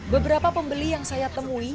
beberapa pembeli yang saya temui